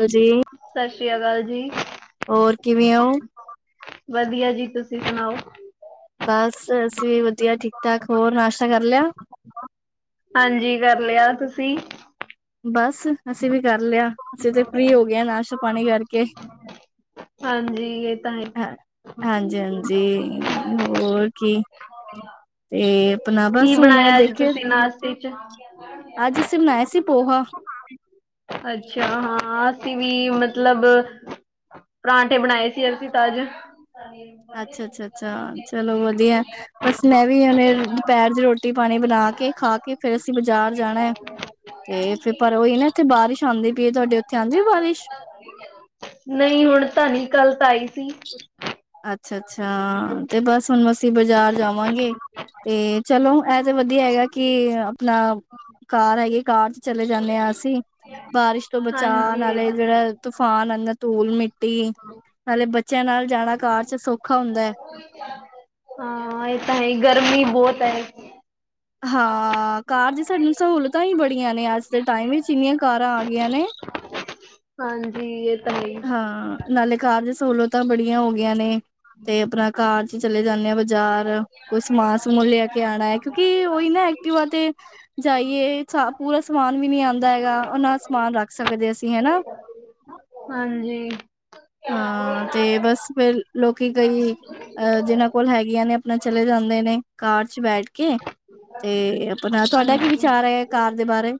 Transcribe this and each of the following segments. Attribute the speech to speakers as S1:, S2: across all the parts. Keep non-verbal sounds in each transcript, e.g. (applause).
S1: ਹਾਂਜੀ,
S2: ਸਤਿ ਸ੍ਰੀ ਅਕਾਲ, ਜੀ
S1: ਹੋਰ, ਕਿਵੇਂ ਉਹ
S2: ਵਧੀਆ, ਜੀ, ਤੁਸੀਂ ਸੁਣਾਓ
S1: ਬਸ, ਅਸੀ ਵੀ ਵਧੀਆ, ਠੀਕ ਠਾਕ, ਹੋਰ ਨਾਸ਼ਤਾ ਕਰ ਲਿਆ।
S2: ਹਾਂਜੀ, ਕਰ ਲਿਆ, ਤੁਸੀਂ
S1: ਬਸ, ਅਸੀਂ ਵੀ ਕਰ ਲਿਆ, ਅਸੀਂ ਤੇ ਫ੍ਰਰੀ ਹੋ ਗਏ ਹ ਨਾਸ਼ਤਾ ਪਾਣੀ ਕਰਕੇ।
S2: ਹਾਂਜੀ, ਇਹ ਤਾਂ ਹੈ।
S1: ਹਾਂ। ਹਾਂਜੀ, ਹਾਂਜੀ, ਹੋਰ ਕੀ, ਤੇ ਆਪਣਾ ਬਸ ਹੁਣ ਦੇਖੇ
S2: ਤੇ, ਕਿਸੇ ਦੀ ਡੇਟ
S1: ਅੱਜ, ਅਸੀਂ ਬਣਾਏ ਸੀ, ਪੋਹਾ
S2: ਅੱਛਾ, ਹਾਂ, ਅਸੀਂ ਵੀ ਮਤਲਬ ਪਰਾਂਠੇ, ਬਣਾਏ ਸੀ, ਅਸੀਂ ਤਾਜ਼
S1: ਅੱਛਾ, ਅੱਛਾ, ਅੱਛਾ ਚਲੋ ਵਧੀਆ, ਬਸ, ਮੈਂ ਵੀ ਉਹਨੇ ਦੁਪਹਿਰ ਚ ਰੋਟੀ ਪਾਣੀ ਬਣਾ ਕੇ ਖਾ ਕੇ ਕੇ ਫੇਰ ਅਸੀਂ, ਬਾਜ਼ਾਰ ਜਾਣਾ ਹੈ। ਤੇ, ਫਿਰ ਪਰ, ਉਹੀ ਨਾ ਇੱਥੇ ਬਾਰਿਸ਼ ਆਉਂਦੀ ਪਈ, ਤੁਹਾਡੇ, ਉੱਥੇ ਆਉਂਦੀ ਬਾਰਿਸ਼।
S2: ਨਹੀਂ ਹੁਣ ਧਨੀ, ਕਾਲ ਤਾਂ ਆਈ ਸੀ।
S1: ਅੱਛਾ-ਅੱਛਾ। ਤੇ ਬਸ ਹੁਣ ਅਸੀਂ ਬਾਜ਼ਾਰ ਜਾਵਾਂਗੇ ਤੇ ਚਲੋ ਇਹ ਤੇ ਵਧੀਆ ਹੋਆ ਕਿ ਆਪਣਾ, ਕਾਰ ਹੈਗੀ ਕਾਰ ਚਲੇ ਜਾਂਦੇ ਹਾਂ ਅਸੀਂ। ਬਾਰਿਸ਼ ਤੋਂ ਬਚਾ
S2: ਹਾਂਜੀ ਇਹ
S1: ਨਾਲੇ
S2: ਤਾਂ
S1: ਜਿਹੜਾ ਤੂਫਾਨ ਆਦਾਂ ਧੂਲ-ਮਿੱਟੀ ਨਾਲੇ ਬੱਚਿਆਂ ਨਾਲ ਜਾਣਾ ਕਾਰ ਚ ਸੌਖਾ ਹੁੰਦਾ ਹੈ
S2: (unintelligible) ਹਾਂ ਇਹ ਤਾਂ ਹੈ ਗਰਮੀ ਬਹੁਤ ਹੈ
S1: ਹਾਂ ਕਾਰ ਦੀ ਸਾਨੁ ਸਹੂਲਤਾਂ ਹੀ ਬੜੀਆਂ ਨੇ। ਅੱਜ ਦੇ ਟਾਈਮ ਵਿੱਚ ਇੰਨੀਆਂ ਕਾਰਾਂ ਆ ਗਈਆਂ ਨੇ
S2: ਹਾਂਜੀ ਇਹ ਤਾਂ ਹੈ ਈ
S1: ਹਾਂ ਨਾਲੇ ਕਾਰ ਦੀ ਸਹੂਲਤਾਂ ਬੜੀਆਂ ਹੋ ਗਈਆਂ ਨੇ ਤੇ ਆਪਣਾ ਕਾਰ ਚ ਚਲੇ ਜਾਂਦੇ ਆਾਂ ਬਾਜ਼ਾਰ ਕੋਈ ਸਮਾਨ ਸਮੂਾਨ ਲਿਆ ਕੇ ਆਉਣਾ ਹੈ। ਕਿਉਂਕਿ ਉਹੀ ਨਾ ਐਕਟਿਵਾ ਤੇ ਜਾਈਏ ਛਾ ਪੂਰਾ ਸਮਾਨ ਵੀ ਨੀ ਆਉਂਦਾ ਹੈਗਾ। ਉਹਨਾਂ ਸਮਾਨ ਰੱਖ ਸਕਦੇ ਅਸੀਂ ਹਨਾ
S2: ਹਾਂਜੀ।
S1: ਹਾਂ ਤੇ ਬਸ ਫਿਰ ਲੋਕੀ ਕਈ, ਅਹ ਜਿਹਨਾਂ ਕੋਲ ਹੈਗੀਆਂ ਨੇ ਆਪਣਾ ਚਲੇ ਜਾਂਦੇ ਨੇ ਕਾਰ ਚ ਬੈਠ ਕੇ। ਤੇ ਆਪਣਾ ਤੁਹਾਡਾ ਕੀ
S2: ਹਾਂਜੀ
S1: ਵਿਚਾਰ ਹੈ ਕਾਰ ਦੇ ਬਾਰੇ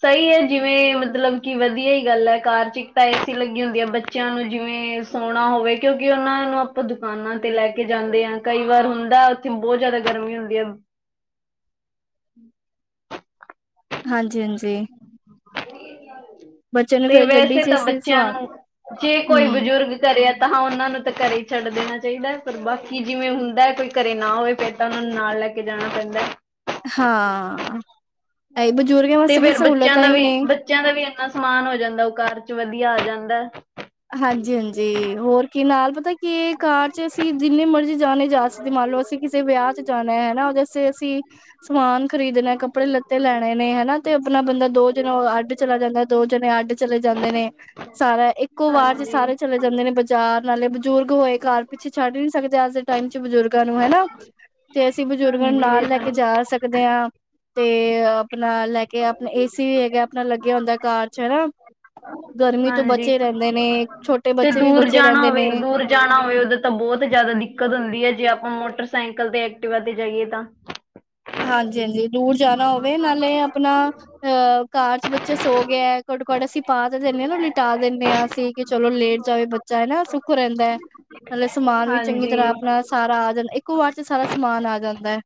S2: ਸਹੀ ਹੈ ਜਿਵੇਂ ਮਤਲਬ ਕਿ ਵਧੀਆ ਹੀ ਗੱਲ ਹੈ। ਕਾਰ ਚ ਇੱਕ ਤਾਂ ਏਸੀ ਲੱਗੀ ਹੁੰਦੀ ਹੈ। ਬ ਬੱਚਿਆਂ ਨੂੰ, ਜਿਵੇਂ ਸੋਣਾ ਹੋਵੇ ਕਿਉਂਕਿ, ਉਹਨਾਂ ਨੂੰ ਆਪਾਂ ਦੁਕਾਨਾਂ ਤੇ ਲੈ ਕੇ ਜਾਂਦੇ ਹਾਂ, ਕਈ ਵਾਰ ਹੁੰਦਾ। ਬਹੁਤ ਜਿਆਦਾ, ਗਰਮੀ ਹੁੰਦੀ ਐ।
S1: ਹਾਂਜੀ, ਹਾਂਜੀ ਬੱਚੇ ਨੂੰ
S2: ਤੇ
S1: ਫੇਰ ਗੱਡੀ
S2: ਵੈਸੇ
S1: ਚ
S2: ਤਾਂ,
S1: ਇਸ
S2: ਬੱਚਿਆਂ
S1: ਸਵਾਲ
S2: ਨੂੰ, ਜੇ ਕੋਈ
S1: ਹਮ
S2: ਬਜ਼ੁਰਗ। ਘਰੇ ਆ ਤਾਂ ਹਾਂ ਉਹਨਾਂ ਨੂੰ ਤਾਂ ਘਰੇ ਹੀ ਛੱਡ ਦੇਣਾ ਚਾਹੀਦਾ। ਪਰ ਬਾਕੀ ਜਿਵੇਂ ਹੁੰਦਾ ਕੋਈ ਘਰੇ ਨਾ ਹੋਵੇ ਪ ਪਰ ੳਨੂੰ ਨਾਲ ਲੈ ਕੇ ਜਾਣਾ ਪੈਂਦਾ
S1: ਹਾਂ, ਇਹ ਬੁਜ਼ੁਰਗ
S2: ਤੇ
S1: ਵਾਸਤੇ ਵੀ
S2: ਫੇਰ ਬੱਚਿਆਂ
S1: ਸਹੂਲਤਾਂ
S2: ਦਾ
S1: ਈ
S2: ਵੀ
S1: ਨੇ
S2: ਬੱਚਿਆਂ ਦਾ ਵੀ ਇੰਨਾ ਸਮਾਨ ਹੋ ਜਾਂਦਾ। ਉਹ ਕਾਰ ਚ ਵਧੀਆ ਆ ਜਾਂਦਾ
S1: ਹਾਂਜੀ-ਹਾਂਜੀ ਹੋਰ ਕੀ ਨਾਲ ਪਤਾ ਕੀ ਕਾਰ ਚ ਅਸੀਂ ਜਿੰਨੇ ਮਰਜ਼ੀ ਜਣੇ ਜਾ ਸਕ ਤੇ ਮੰਨ ਲਓ ਅਸੀਂ ਕਿਸੇ ਵਿਆਹ ਚ ਜਾਣਾ ਹਨਾ ਜੈਸੇ ਅਸੀਂ ਸਮਾਨ ਖਰੀਦਣਾ ਕੱਪੜੇ ਲੱਤੇ ਲੈਣੇ ਨੇ ਹਨਾ ਤੇ ਆਪਣਾ ਬੰਦਾ ਦੋ ਜਨੋ ਅੱਡ ਚਲਾ ਜਾਂਦਾ ਦੋ ਜਣੇ ਅੱਡ ਚਲੇ ਜਾਂਦੇ ਨੇ। ਸਾਰਾ ਇੱਕ ਇਕੋ ਵਾਰ ਚ
S2: ਹਾਂਜੀ
S1: ਸਾਰੇ ਚਲੇ ਜਾਂਦੇ ਨੇ ਬਾਜ਼ਾਰ, ਨਾਲੇ ਬਜ਼ੁਰਗ ਹੋਏ ਘਰ ਪਿੱਛੇ ਛੱਡ ਨੀ ਸਕਦੇ ਅੱਜ ਦੇ ਟਾਈਮ ਚ ਬਜ਼ੁਰਗਾਂ ਨੂੰ ਹਨਾ ਤੇ ਅਸੀਂ ਬਜ਼ੁਰਗਾਂ ਨੂੰ
S2: ਹਾਂਜੀ
S1: ਨਾਲ
S2: ਇਹ
S1: ਲੈ ਕੇ
S2: ਤਾਂ
S1: ਜਾ ਸਕਦੇ ਹਾਂ। ਤੇ ਆਪਣਾ ਲੈ ਕੇ ਆਪਣਾ ਏ ਸੀ ਹੈਗਾ ਆਪਣਾ ਲੱਗਿਆ ਹੁੰਦਾ ਕਾਰ ਚ ਹਨਾ। ਗਰਮੀ ਤੋਂ ਬਚ
S2: ਹਾਂਜੀ
S1: ਰਹਿੰਦੇ ਨੇ। ਛੋਟੇ
S2: ਤੇ
S1: ਬੱਚੇ ਵੀ
S2: ਦੂਰ
S1: ਬੱਚੇ
S2: ਜਾਣਾ
S1: ਰਹਿੰਦੇ ਨੇ।
S2: ਹੋਵੇ ਦੂਰ ਜਾਣਾ ਹੋਵੇ ਉਧਰ ਤਾਂ ਬਹੁਤ ਜ਼ਿਆਦਾ ਦਿੱਕਤ ਹੁੰਦੀ ਹੈ। ਜੇ ਆਪਾਂ ਮੋਟਰਸਾਈਕਲ ਤੇ, ਐਕਟਿਵਾ ਤੇ ਜਾਈਏ ਤਾਂ
S1: ਹਾਂਜੀ-ਹਾਂਜੀ ਦੂਰ ਜਾਣਾ ਹੋਵੇ, ਨਾਲੇ ਆਪਣਾ ਅਹ ਕਾਰ ਚ ਬੱਚੇ ਸੋ ਗਏ। ਘਟੋ -ਘੱਟ ਅਸੀਂ ਪਾ ਤੇ ਦਿੰਦੇ ਹਾਂ ਨਾ। ਲਿਟਾ ਦਿੰਦੇ ਹਾਂ ਅਸੀਂ ਕਿ ਚਲੋ ਲੇਟ ਜਾਵੇ ਬੱਚਾ ਹਨਾ ਸੁੱਖ ਰਹਿੰਦਾ ਹੈ। ਮਤਲਬ ਸਮਾਨ ਵੀ ਚੰਗੀ ਤਰ੍ਹਾਂ
S2: ਹਾਂਜੀ
S1: ਆਪਣਾ ਸਾਰਾ ਆ ਜਾਂਨ, ਇੱਕੋ ਵਾਰ ਚ ਸਾਰਾ ਸਮਾਨ ਆ ਜਾਂਦਾ ਹੈ।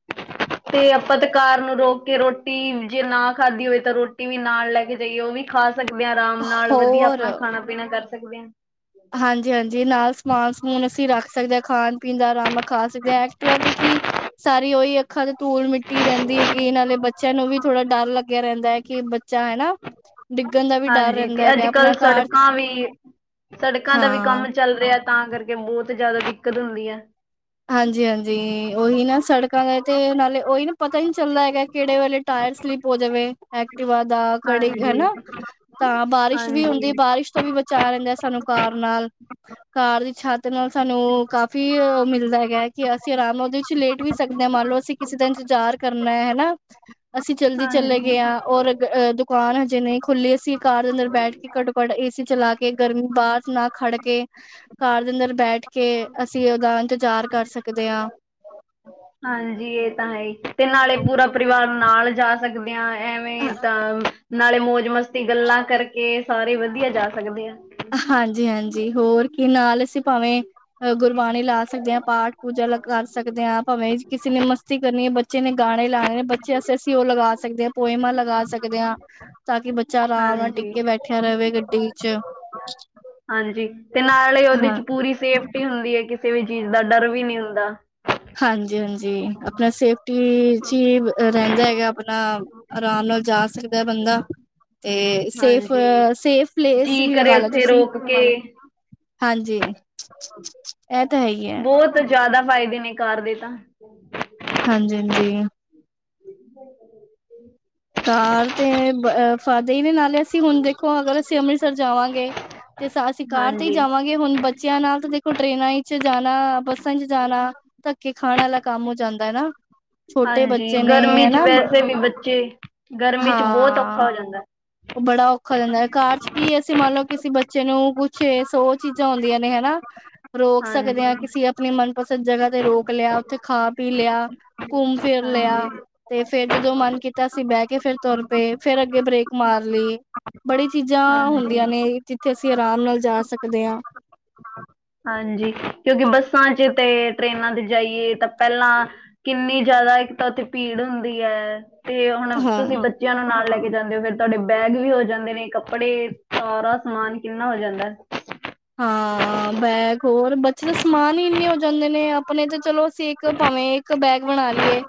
S1: (inaudible)
S2: ਤੇ ਆਪਾਂ ਤੇ ਕਾਰ ਨੂੰ ਰੋਕ ਕੇ ਰੋਟੀ, ਜੇ ਨਾ ਖਾਧੀ ਹੋਵੇ ਤਾਂ ਰੋਟੀ ਵੀ ਨਾਲ ਲੈ ਕੇ ਜਾਈਏ। ਉਹ ਵੀ ਖਾ ਸਕਦੇ ਹਾਂ ਆਰਾਮ ਨਾਲ ਵਧੀਆ
S1: ਹੋਰ
S2: ਆਪਣਾ ਖਾਣਾ-ਪੀਣਾ ਕਰ ਸਕਦੇ ਹਾਂ
S1: ਹਾਂਜੀ-ਹਾਂਜੀ ਨਾਲ ਸਮਾਨ-ਸਮੂਨ ਅਸੀਂ ਰੱਖ ਸਕਦੇ ਆਂ। ਖਾਣ ਪੀਣ ਦਾ, ਆਰਾਮ ਨਾਲ ਖਾ ਸਕਦੇ ਹਾਂ। ਐਕਟਿਵਾ ਤੇ ਕੀ ਸਾਰੀ ਉਹੀ ਇੱਕ ਸਾਰੀ ਧੂਲ ਮਿੱਟੀ ਰਹਿੰਦੀ ਹੈਗੀ। ਨਾਲੇ ਬੱਚਿਆਂ ਨੂੰ ਵੀ ਥੋੜ੍ਹਾ ਡਰ ਲੱਗਿਆ ਰਹਿੰਦਾ ਹੈ, ਕਿ ਬੱਚਾ ਹਨਾ ਡਿੱਗਣ ਦਾ ਵੀ ਡਰ
S2: ਹਾਂਜੀ
S1: ਰਹਿੰਦਾ
S2: ਤੇ ਅੱਜ
S1: ਹੈਗਾ।
S2: ਕੱਲ
S1: ਆਪਣਾ ਘਰ
S2: ਸੜਕਾਂ ਵੀ ਸੜਕਾਂ ਦਾ ਵੀ ਕੰਮ ਚੱਲ ਰਿਹਾ ਤਾਂ ਕਰਕੇ ਬਹੁਤ ਜ਼ਿਆਦਾ ਦਿੱਕਤ ਹੁੰਦੀ ਐ
S1: ਹਾਂਜੀ-ਹਾਂਜੀ ਉਹੀ ਨਾ ਸੜਕ ਤੇ ਨਾਲੇ ਉਹੀ ਨਾ ਪਤਾ ਹੀ ਨਹੀਂ ਚੱਲਦਾ ਹੈਗਾ। ਕਿਹੜੇ ਵੇਲੇ ਟਾਇਰ ਸਲਿਪ ਹੋ ਜਾਵੇ (unintelligible)
S2: ਹਾਂਜੀ
S1: ਹਨਾ ਤਾਂ ਬਾਰਿਸ਼ ਵੀ
S2: ਹਾਂਜੀ
S1: ਹੁੰਦੀ, ਬਾਰਿਸ਼ ਤੋਂ ਵੀ ਬ (unintelligible) ਰਹਿੰਦੇ ਆ ਸਾਨੂੰ ਕਾਰ ਨਾਲ। ਕਾਰ ਦੀ ਛੱਤ ਨਾਲ ਸਾਨੂੰ ਕਾਫੀ ਮਿਲ ਹੈਗਾ ਕਿ ਅਸੀਂ ਆਰਾਮ ਨਾਲ ਉਹਦੇ ਵਿੱਚ ਲੇਟ ਵੀ ਸਕਦੇ ਆਂ, ਮੰਨ ਲਓ ਅਸੀਂ ਕਿਸੇ ਦਾ ਇੰਤਜ਼ਾਰ ਕਰਨਾ ਐ ਹਨਾ। ਅਸੀਂ ਜਲਦੀ ਚਲੇ ਗਏ
S2: ਹਾਂਜੀ
S1: ਹਾਂ ਔਰ ਦੁਕਾਨ ਹਜੇ ਨਹੀਂ ਖੁੱਲੀ ਅਸੀ ਕਾਰ ਦੇ ਅੰਦਰ ਬੈਠ ਕੇ ਘੱਟੋ ਘੱਟ ਏਸੀ ਚਲਾ ਕੇ ਗਰਮੀ ਬਾਹਰ ਨਾ ਖੜ ਕੇ ਕਾਰ ਦੇ ਅੰਦਰ ਬੈਠ ਕੇ ਅਸੀਂ ਉਹਦਾ ਇੰਤਜ਼ਾਰ ਕਰ ਸਕਦੇ ਆਂ
S2: ਹਾਂਜੀ ਇਹ ਤਾਂ ਹੈ ਈ ਤੇ ਨਾਲੇ ਪੂਰਾ ਪਰਿਵਾਰ ਨਾਲ ਜਾ। ਸਕਦੇ ਆਂ ਐਵੇਂ ਤਾਂ ਨਾਲੇ ਮੌਜ ਮਸਤੀ ਗੱਲਾਂ ਕਰਕੇ ਸਾਰੇ ਵਧੀਆ ਜਾ ਸਕਦੇ ਆ।
S1: ਹਾਂਜੀ ਹਾਂਜੀ, ਹੋਰ ਕੀ ਨਾਲ ਅਸੀਂ ਭਾਵੇਂ ਗੁਰਬਾਣੀ ਲਾ ਸਕਦੇ ਹਾਂ। ਪਾਠ ਪੂਜਾ ਕਰ ਸਕਦੇ ਹਾਂ ਭਾਵੇਂ ਕਿਸੇ ਨੇ ਮਸਤੀ ਕਰਨੀ ਹੈ ਬੱਚ। ਬੱਚੇ ਨੇ ਗਾਣੇ ਲਾਣੇ ਨੇ ਬੱਚੇ ਅਸੀਂ ਅਸੀ ਓ ਲਗਾ ਸਕਦੇ ਹਾਂ, ਪੋਇਮਾਂ ਲਗਾ ਸਕਦੇ ਹਾਂ। ਤਾਂ ਕਿ ਬੱਚਾ ਆਰਾਮ ਨਾਲ ਟਿੱਗ
S2: ਹਾਂਜੀ
S1: ਕੇ ਬੈਠਿਆ ਰਹੇ ਗੱਡੀ ਚ
S2: ਹਾਂਜੀ ਤੇ ਨਾਲ ਹੀ ਉਹਦੇ
S1: ਹਾਂ।
S2: ਚ ਪੂਰੀ ਸੇਫ ਹੁੰਦੀ ਹੈ, ਕਿਸੇ ਵੀ ਚੀਜ਼ ਦਾ ਡਰ ਵੀ ਨਹੀਂ ਹੁੰਦਾ।
S1: ਹਾਂਜੀ, ਹਾਂਜੀ ਆਪਣਾ ਸੇਫ ਟੀ ਚ ਹੀ ਰਹਿੰਦਾ ਹੈਗਾ, ਆਪਣਾ ਆਰਾਮ ਨਾਲ ਜਾ ਸਕਦਾ ਬੰਦਾ। ਤੇ ਸੇਫ
S2: ਹਾਂਜੀ
S1: ਸੇਫ ਪਲੇਸ
S2: ਜੀ
S1: ਵੀ
S2: ਕਰੇ
S1: ਲਗਾ ਲਾ
S2: ਉੱਥੇ
S1: ਤੁਸੀਂ।
S2: ਰੋਕ ਕੇ
S1: ਹਾਂਜੀ, ਇਹ ਤਾਂ ਹੈ ਹੀ ਹੈ
S2: ਤੋਂ ਜ਼ਿਆਦਾ ਫਾਇਦੇ ਨੇ ਕਾਰ ਦੇ ਤਾਂ
S1: ਹਾਂਜੀ-ਹਾਂਜੀ।
S2: (unintelligible)
S1: ਘ ਤੇ ਫਾਦੇ ਹੀ ਦੇ ਨਾਲੇ ਹੁਣ ਦੇਖੋ ਅਗਰ ਅਸੀਂ ਅੰਮ੍ਰਿਤਸਰ ਜਾਵਾਂਗੇ, ਤੇ ਅਸੀਂ ਕਾਰ ਤੇ ਹੀ
S2: ਹਾਂਜੀ
S1: ਜਾਵਾਂਗੇ ਹੁਣ ਬੱਚਿਆਂ ਨਾਲ ਤਾਂ ਦੇਖੋ ਟ੍ਰੇਨਾਂ ਚ ਜਾਣਾ ਬੱਸਾਂ ਚ ਜਾਣਾ। ਧੱਕ ਕੇ ਖਾਣ ਵਾਲਾ ਕੰਮ ਹੋ ਜਾਂਦਾ ਹੈ ਨਾ, ਛੋਟੇ
S2: ਹਾਂਜੀ
S1: ਬੱਚੇ ਨੇ
S2: ਗਰਮੀ ਚ
S1: ਹਨਾ
S2: ਵੈਸੇ ਵੀ ਬੱਚੇ ਗਰਮੀ ਚ ਬਹੁਤ ਔਖਾ
S1: ਹਾਂ
S2: ਹੋ ਜਾਂਦਾ
S1: ਉਹ ਬੜਾ ਔਖਾ ਦਿੰਦਾ ਹੈ ਕਾਰਰ ਚ ਕੀ ਅਸੀਂ ਮੰਨ ਲਓ, ਕਿਸੇ ਬੱਚੇ ਨੂੰ ਕੁਛ ਸੋਚ ਚੀਜ਼ਾਂ ਹੁੰਂਦੀਆਂ ਨੇ ਹਨਾ। ਰੋਕ ਸਕਦੇ
S2: ਹਾਂਜੀ
S1: ਹਾਂ ਕਿਸੀ ਆਪਣੀ ਮਨਪਸੰਦ ਜਗ੍ਹਾ ਤੇ ਰੋਕ ਲਿਆ, ਉੱਥੇ ਖਾ ਪੀ ਲਿਆ। ਘੁੰਮ ਫਿਰ
S2: ਹਾਂਜੀ
S1: ਲਿਆ ਤੇ ਫੇਰ ਜਦੋਂ ਮਨ ਕੀਤਾ ਸੀ ਬਹਿ ਕੇ ਫਿਰ ਤੁਰ ਪਏ ਫਿਰ ਅੱਗੇ ਬ੍ਰੇਕ ਮਾਰ ਲਈ। ਬੜੀ ਚੀਜ਼ਾਂ ਹੁੰਦੀਆਂ
S2: ਹਾਂਜੀ
S1: ਨੇ ਜਿੱਥੇ ਅਸੀਂ ਆਰਾਮ ਨਾਲ ਜਾ ਸਕਦੇ ਹਾਂ।
S2: ਹਾਂਜੀ, ਕਿਉਂਕਿ ਬੱਸਾਂ ਚ ਤੇ ਟ੍ਰੇਨਾਂ ਤੇ ਜਾਈਏ ਤਾਂ ਪਹਿਲਾਂ। ਕਿੰਨੀ ਜ਼ਿਆਦਾ ਇੱਕ ਤਾਂ ਉੱਥੇ ਭੀੜ ਹੁੰਦੀ ਹੈ, ਤੇ ਹੁਣ
S1: ਹਾਂ
S2: ਤੁਸੀਂ, ਬੱਚਿਆਂ ਨੂੰ ਨਾਲ ਲੈ ਕੇ ਜਾਂਦੇ ਹੋ, ਫਿਰ ਤੁਹਾਡੇ ਬੈਗ ਵੀ ਹੋ ਜਾਂਦੇ ਨੇ ਕੱਪੜੇ ਸਾਰਾ ਸਮਾਨ ਕਿੰਨਾ ਹੋ ਜਾਂਦਾ।
S1: ਹਾਂ ਬੈਗ ਹੋਰ, ਇੱਥੇ ਤਾਂ ਸਮਾਨ ਹੀ ਇੰਨੇ ਹੋ ਜਾਂਦੇ ਨੇ ਆਪਣੇ ਤੇ ਚਲੋ ਅਸੀਂ ਇੱਕ ਭਾਵੇਂ ਇੱਕ ਬੈਗ ਬਣਾ ਲਈਏ।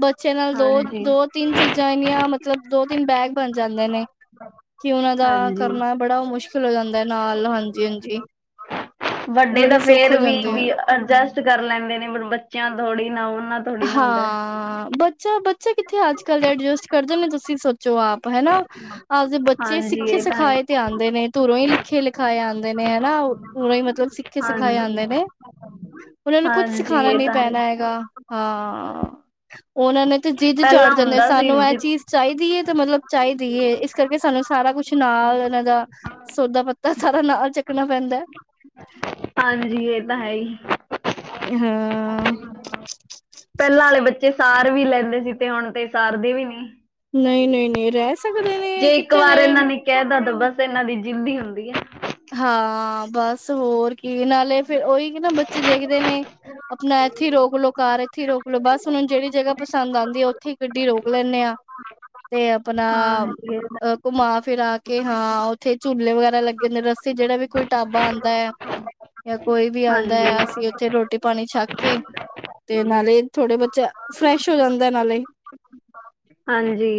S1: ਬੱਚੇ ਨਾਲ ਦੋ
S2: ਹਾਂਜੀ
S1: ਦੋ ਤਿੰਨ ਚੀਜ਼ਾਂ ਇੰਨੀਆਂ ਮਤਲਬ, ਦੋ ਤਿੰਨ ਬੈਗ ਬਣ ਜਾਂਦੇ ਨੇ।
S2: ਬ (unintelligible)
S1: ਕਿ ਉਹਨਾਂ ਦਾ ਕਰਨਾ ਬੜਾ ਮੁਸ਼ਕਿਲ ਹੋ ਜਾਂਦਾ ਹੈ, ਨਾਲ ਹਾਂਜੀ ਹਾ
S2: ਵੱਡੇ ਤਾਂ
S1: ਹੋ
S2: ਫੇਰ ਵੀ
S1: ਜਾਂਦੀ ਆ।
S2: ਵੀ, ਅਡਜਸਟ ਕਰ ਲੈਂਦੇ ਨੇ ਬੱਚਿਆਂ ਥੋੜ੍ਹੀ ਨਾ ਉਹਨਾਂ। ਥੋੜ੍ਹੀ ਨਾ ਹੁੰਦਾ ਹੈ।
S1: ਹਾਂ ਬੱਚਾ ਬੱਚਾ ਕਿੱਥੇ, ਅੱਜ ਕੱਲ ਦੇ ਐਡਜਸਟ ਕਰਦੇ ਨੇ ਤੁਸੀਂ ਸੋਚੋ ਆਪ। ਹਨਾ, ਆਪਦੇ ਬੱਚੇ
S2: ਹਾਂਜੀ
S1: ਸਿੱਖੇ
S2: ਇਹ ਤਾਂ ਹੈ
S1: ਸਿਖਾਏ ਤੇ ਆਉਂਦੇ ਨੇ ਧੂਰੋਂ ਹੀ ਲਿਖੇ, ਲਿਖਾਏ ਆਉਂਦੇ ਨੇ ਹਨਾ। ਪਰਾ ਹੀ ਮਤਲਬ ਸਿੱਖੇ ਸਿਖਾਏ
S2: ਹਾਂਜੀ
S1: ਜਾਂਦੇ ਨੇ ਉਹਨਾਂ ਨੂੰ ਕੁੱਝ
S2: ਹਾਂਜੀ
S1: ਸਿਖਾਉਣਾ
S2: ਇਹ
S1: ਨੀ
S2: ਤਾਂ ਹੈ
S1: ਪੈਣਾ ਹੈਗਾ ਹਾਂ ਉਹਨਾਂ ਨੇ ਤੇ ਜਿੱਦ ਚੜ
S2: ਪਹਿਲਾਂ
S1: ਜਾਂਦੇ
S2: ਹੁੰਦਾ ਸੀ
S1: ਸਾਨੂੰ ਇਹ
S2: ਜ
S1: ਚੀਜ਼ ਚਾਹੀਦੀ ਹੈ ਤੇ ਮਤਲਬ ਚਾਹੀਦੀ ਹੈ, ਇਸ ਕਰਕੇ ਸਾਨੂੰ ਸਾਰਾ ਕੁਛ ਨਾਲ ਇਹਨਾਂ ਦਾ ਸੌਦਾ ਪੱਤਾ ਸਾਰਾ ਨਾਲ ਚੱਕਣਾ ਪੈਂਦਾ।
S2: ਹਾਂਜੀ ਇਹ ਤਾਂ ਹੈ ਹੀ,
S1: ਹੂੰ,
S2: ਪਹਿਲਾਂ ਵਾਲੇ ਬੱਚੇ ਸਾਰ ਵੀ ਲੈਂਦੇ ਸੀ ਤੇ ਹੁਣ ਤੇ ਸਾਰਦੇ ਵੀ ਨੀ,
S1: ਨਹੀਂ- ਨਹੀਂ ਨਹੀਂ ਰੈਸ
S2: ਜੇ ਇੱਕ ਵਾਰ ਇਹਨਾਂ ਨੇ ਕਹਿ ਦਾ ਤਾਂ ਬਸ ਇਹਨਾਂ ਦੀ ਜਿੰਦੀ
S1: ਹਾਂ ਬਸ ਹੋਰ ਕੀ ਨਾਲੇ ਫਿਰ ਉਹੀ ਨਾ ਬੱਚੇ ਦੇਖਦੇ ਨੇ ਆਪਣਾ ਇੱਥੇ ਰੋਕਲੋ ਕਾਰ ਇੱਥੇ ਹੀ ਰੋਕਲੋ ਬਸ ਉਹੁੂੰ ਜਿਹੜੀ ਜਗ੍ਹਾ ਪਸੰਦ ਆਉਂਦੀ ਆ ਉੱਥੇ ਹੀ ਗੱਡੀ ਰੋਕ ਲੈਂਦੇ ਆ ਤੇ ਆਪਣਾ
S2: ਹਾਂਜੀ
S1: ਅ ਘੁਮਾ ਫਿਰਾ ਕੇ ਹਾਂ, ਉੱਥੇ ਝੂਲੇ ਵਗੈਰਾ ਲੱਗੇ ਨੇ ਰੱਸਤੇ ਜਿਹੜਾ ਵੀ ਕੋਈ ਢਾਬਾ ਆਦਾਂ ਹੈ ਜਾਂ ਕੋਈ ਵੀ ਆਉਂਦਾ
S2: ਹਾਂਜੀ
S1: ਹੈ, ਅਸੀਂ ਉੱਥੇ ਰੋਟੀ ਪਾਣੀ ਛੱਕ ਕੇ ਤੇ ਨਾਲੇ ਥੋੜੇ ਬੱਚਾ, ਫਰੈਸ਼ ਹੋ ਜਾਂਦਾ ਨਾਲੇ
S2: ਹਾਂਜੀ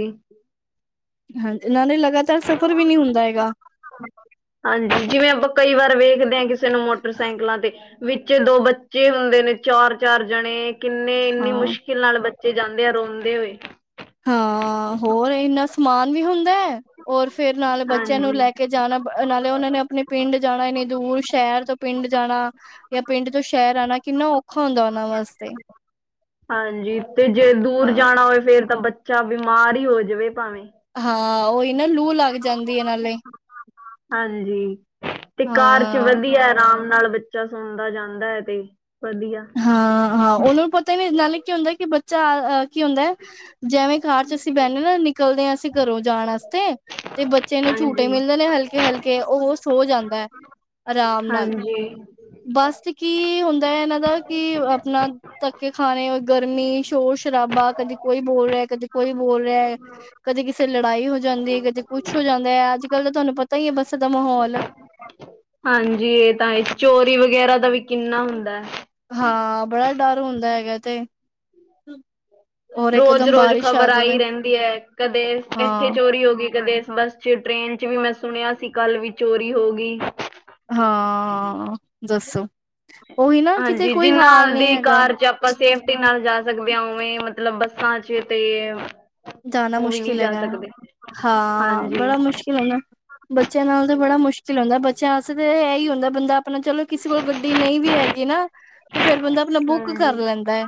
S1: ਹਾਂਜੀ, ਨਾਲੇ ਲਗਾਤਾਰ ਸਫ਼ਰ ਵੀ ਨਹੀ ਹੁੰਦਾ ਹੈਗਾ
S2: ਹਾਂਜੀ, ਜਿਵੇਂ ਆਪਾਂ ਕਈ ਵਾਰ ਵੇਖਦੇ ਹਾਂ ਕਿਸੇ ਨੂੰ ਮੋਟਰਸਾਈਕਲਾਂ ਤੇ ਵਿੱਚ ਦੋ ਬੱਚੇ ਹੁੰਦੇ ਨੇ, ਚਾਰ-ਚਾਰ ਜਾਣੇ ਕਿੰਨੇ ਇੰਨੀ
S1: ਹਾਂ
S2: ਮੁਸ਼ਕ ਨਾਲ ਬੱਚੇ ਜਾਂਦੇ ਆ ਰੋਂਦੇ ਹੋਏ
S1: ਹਾਂ, ਹੋਰ ਇੰਨਾ ਸਮਾਨ ਵੀ ਹੁੰਦਾ ਹੈ ਹੋਰ ਫੇਰ ਨਾਲੇ ਬੱਚਿਆਂ ਨੂੰ
S2: ਹਾਂਜੀ
S1: ਲੈ ਕੇ ਜਾਣਾ ਨਾਲੇ ਉਹਨਾਂ ਨੇ ਆਪਣੇ ਪਿੰਡ ਜਾਣਾ, ਇੰਨੇ ਦੂਰ ਸ਼ਹਿਰ ਤੋਂ ਪਿੰਡ ਜਾਣਾ ਜਾਂ ਪਿੰਡ ਤੋਂ ਸ਼ਹਿਰ ਆਉਣਾ ਕਿੰਨਾ ਔਖਾ ਹੁੰਦਾ ਉਹਨਾਂ ਵਾਸਤੇ,
S2: ਹਾਂਜੀ, ਤੇ ਜੇ ਦੂਰ
S1: ਹਾਂ
S2: ਜਾਣਾ ਹੋਵੇ, ਫੇਰ ਤਾਂ ਬੱਚਾ ਬਿਮਾਰ ਹੀ ਹੋ ਜਾਵੇ ਭਾਵੇਂ,
S1: ਹਾਂ, ਉਹੀ ਨਾ ਲੂ ਲੱਗ ਜਾਂਦੀ ਹੈ ਨਾਲੇ
S2: ਹਾਂਜੀ, ਤੇ ਕਾਰ ਚ
S1: ਹਾਂ
S2: ਵਧੀਆ ਆਰਾਮ ਨਾਲ ਬ ਬੱਚਾ ਸੌਦਾ ਜਾਂਦਾ ਹੈ ਤੇ, ਵਧੀਆ
S1: ਹਾਂ-ਹਾਂ, ਉਹਨਾਂ ਨੂੰ ਪਤਾ ਹੀ ਨ ਨਾਲੇ ਕੀ ਹੁੰਦਾ ਕਿ ਬ ਅ ਅ ਕੀ ਹੁੰਦਾ ਹੈ ਜਿਵੇਂ ਕਾਰ ਚ ਅਸੀਂ ਬਹਿੰਦੇ ਹ ਨਾ ਨਿਕਲਦੇ ਹਾਂ ਅਸੀਂ ਕਰੋ ਜਾਣ ਵਾਸਤੇ ਤੇ ਬੱਚੇ ਨੂੰ ਝੂਟੇ
S2: ਹਾਂਜੀ
S1: ਮਿਲਦੇ ਨੇ ਹਲਕੇ-ਹਲਕੇ, ਉਹ ਸੋ ਜਾਂਦਾ ਹੈ ਆਰਾਮ ਨਾਲ,
S2: ਹਾਂਜੀ
S1: ਬਸ ਚ ਕੀ ਹੁੰਦਾ ਹੈ ਇਹਨਾਂ ਦਾ ਕਿ ਆਪਣਾ ਧੱਕੇ ਖਾਣੇ ਹੋ। ਗਰਮੀ ਸ਼ੋਰ ਸ਼ਰਾਬਾ ਕਦੇ ਕੋਈ ਬੋਲ ਰਿਹਾ-ਕਦੇ ਕੋਈ ਬੋਲ ਰਿਹਾ ਹੈ- ਕਦੇ ਕਿਸੇ ਲੜਾਈ ਹੋ ਜਾਂਦੀ ਕਦੇ ਕੁੱਛ ਹੋ ਜਾਂਦਾ ਹੈ। ਅੱਜ ਕੱਲ੍ਹ ਤਾਂ ਤੁਹਾਨੂੰ ਪਤਾ ਹੀ ਹੈ ਬੱਸਾਂ ਦਾ ਮਾਹੌਲ
S2: ਹਾਂਜੀ, ਇਹ ਤਾਂ ਇਹ ਚੋਰੀ ਵਗੈਰਾ ਦਾ ਵੀ ਕਿੰਨਾ ਹੁੰਦਾ ਹੈ
S1: ਹਾਂ, ਬੜਾ ਡਰ ਹੁੰਦਾ ਹੈਗਾ ਤੇ ਔਰ ਇਕਦਮ
S2: ਰੋਜ਼-ਰੋਜ਼
S1: ਬਾਰਿਸ਼ ਆ
S2: ਖ਼ਬਰ
S1: ਜਾਵੇ
S2: ਆਈ ਰਹਿੰਦੀ ਹੈ ਕਦੇ, ਇੱਥੇ
S1: ਹਾਂ
S2: ਚੋਰੀ ਹੋ ਗਈ ਕਦੇ ਇਸ ਬਸ ਟ੍ਰੇਨ ਚ ਵੀ ਮੈਂ ਸੁਣਿਆ ਸੀ ਕੱਲ ਵੀ ਚੋਰੀ ਹੋ ਗਈ
S1: ਹਾਂ ਦੱਸੋ ਉਹੀ ਨਾ ਕਿਤੇ
S2: ਹਾਂਜੀ
S1: ਕੋਈ
S2: ਜਿੰਨਾ
S1: ਹਾਲ ਨੀ
S2: ਆਪਦੀ
S1: ਹੈਗਾ
S2: ਕਾਰ ਚ ਆਪ ਆਪਾਂ ਸੇਫਟੀ ਨਾਲ ਜਾ ਸਕਦੇ ਹਾਂ ਉਵੇਂ ਮਤਲਬ ਬੱਸਾਂ ਚ ਤੇ
S1: ਜਾਨਾ
S2: ਉਹ ਵੀ ਨਹੀਂ
S1: ਮੁਸ਼ਕਿਲ
S2: ਜਾ
S1: ਹੈਗਾ,
S2: ਸਕਦੇ ਹਾਂਜੀ
S1: ਹਾਂ---ਬੜਾ ਮੁਸ਼ਕਿਲ ਹੁੰਦਾ। ਬੱਚਿਆਂ ਨਾਲ ਤੇ ਬੜਾ ਮੁਸ਼ਕਿਲ ਹੁੰਦਾ ਚਾਂਸ ਤੇ ਇਹ ਹੀ ਹੁੰਦਾ ਬੰਦਾ ਆਪਣਾ ਚਲੋ ਕਿਸੇ ਕੋਲ ਗੱਡੀ ਨਹੀਂ ਵੀ ਹੈਗੀ ਨਾ ਤੇ ਫੇਰ ਬੰਦਾ ਆਪਣਾ ਬੁੱਕ ਕਰ
S2: ਹਾਂਜੀ
S1: ਲੈਂਦਾ ਹੈ,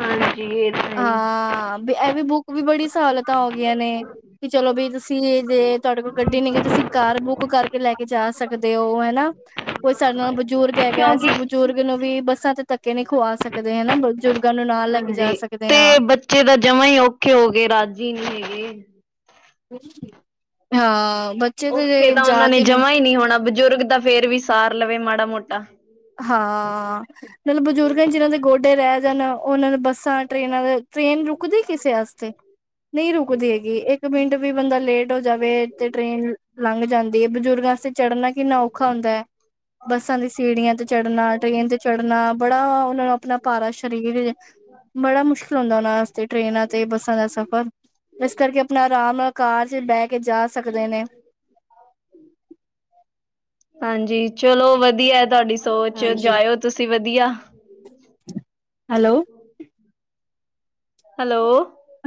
S2: ਹਾਂਜੀ ਇਹ ਤਾਂ ਹੈ ਹੀ
S1: ਹਾਂ ਇਹ ਵੀ ਬੁੱਕ ਵੀ ਬੜੀ ਸਹੁਲਤਾ ਹੋ ਗਈਆਂ ਨੇ ਕਿ ਚਲੋ ਵੀ ਤੁਸੀਂ ਜੇ ਤੁਹਾਡੇ ਕੋਲ ਗੱਡੀ ਨਹੀ ਹੈਗੀ ਤੁਸੀਂ ਕਾਰ ਬੁੱਕ ਕਰਕੇ ਲੈ ਕੇ ਜਾ ਸਕਦੇ ਹੋ, ਹਨਾ ਕੋਈ ਸਾਡੇ ਨਾਲ ਬਜ਼ੁਰਗ ਹੈਗਾ
S2: ਕਿਉਂਕਿ
S1: ਅਸੀਂ ਬਜ਼ੁਰਗ ਨੂੰ ਵੀ ਬੱਸਾਂ ਤੇ ਧੱਕੇ ਨਹੀ ਖੁਵਾ ਸਕਦੇ ਹਨਾ ਬਜ਼ੁਰਗ ਗਾ ਨੂੰ ਨਾਲ ਲੈ ਕੇ ਜਾ
S2: ਹਾਂਜੀ
S1: ਸਕਦੇ ਹਾਂ
S2: ਤੇ ਬੱਚੇ ਦਾ ਜਮ੍ਹਾਂ ਹੀ ਔਖੇ ਹੋ ਗਏ ਰਾਜੀ ਨਹੀਂ ਹੈਗੇ
S1: ਹਾਂ, ਬ
S2: ਔਖੇ ਤਾਂ ਉਹਨਾ ਨੇ ਜਮਾ ਹੀ ਨਹੀ ਹੋਣਾ ਬਜ਼ੁਰਗ ਤਾਂ ਫੇਰ ਵੀ ਸਾਰ ਲਵੇ ਮਾੜਾ ਮੋਟਾ
S1: ਹਾਂ, ਮਤਲਬ ਬਜ਼ੁਰਗ ਨੇ ਜਿਹਨਾਂ ਦੇ ਗੋਡੇ ਤੇ ਰਹਿ ਜਾਣ ਉਹਨਾਂ ਬੱਸਾਂ ਟ੍ਰੇਨਾਂ ਦੇ ਟ੍ਰੇਨ ਰੁਕਦੀ ਕਿਸੇ ਵਾਸਤੇ ਨਹੀਂ ਰੁਕਦੀ ਹੈਗੀ ਇੱਕ ਮਿੰਟ ਵੀ ਬੰਦਾ ਲੇਟ ਹੋ ਜਾਵੇ ਤੇ ਟ੍ਰੇਨ ਲੰਘ ਜਾਂਦੀ ਹੈ ਬਜ਼ੁਰਗਾ ਵਸਤੇ ਚੜ੍ਹਨਾ ਕਿੰਨਾ ਔਖਾ ਹੁੰਦਾ ਹੈ। ਬੱਸਾਂ ਦੀ ਸੀੜੀਆਂ ਤੇ ਚੜ੍ਹਨਾ ਟ੍ਰੇਨ ਤੇ ਚੜ੍ਹਨਾ ਬੜਾ ਉਹਨਾਂ ਨੂੰ ਆਪਣਾ ਭਾਰਾ ਸ਼ਰੀਰ ਬੜਾ ਮੁਸ਼ਕਿਲ ਹੁੰਦਾ ਉਹਨਾਂ ਵਾਸਤੇ ਟ੍ਰੇਨਾਂ ਤੇ ਬੱਸਾਂ ਦਾ ਸਫ਼ਰ ਇਸ ਕਰਕੇ ਆਪਣਾ ਆਰਾਮ ਨਾਲ ਕਾਰ ਚ ਬਹਿ ਕੇ ਜਾ ਸਕਦੇ ਨੇ
S2: ਹਾਂਜੀ, ਚਲੋ ਵਧੀਆ ਹੈ ਤੁਹਾਡੀ ਸੋਚ
S1: ਹਾਂਜੀ
S2: ਜਾਇਓ ਤੁਸੀਂ ਵਧੀਆ।
S1: ਹੈਲੋ,
S2: ਹੈਲੋ,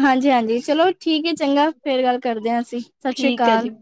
S1: ਹਾਂਜੀ-ਹਾਂਜੀ, ਚਲੋ ਠੀਕ ਹੈ ਚੰਗਾ, ਫੇਰ ਗੱਲ ਕਰਦੇ ਹਾਂ ਅਸੀਂ ਸਤਿ ਸ਼੍ਰੀ
S2: ਠੀਕ ਹੈ
S1: ਅਕਾਲ।
S2: ਜੀ।